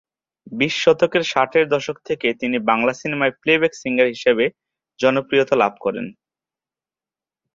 বিশ শতকের ষাটের দশক থেকে তিনি বাংলা সিনেমায় প্লেব্যাক সিঙ্গার হিসেবে জনপ্রিয়তা লাভ করেন।